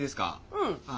うん。